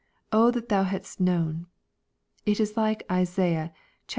—^'^ Oh that thou hadst known." It is like Isaiah xlviii.